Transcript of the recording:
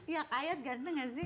ya kak ayat ganteng gak sih